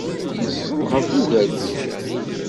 Yeẓẓel ɣef ugertil.